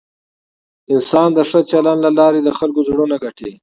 انسان د ښه چلند له لارې د خلکو زړونه ګټي.